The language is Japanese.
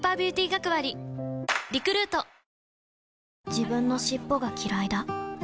自分の尻尾がきらいだ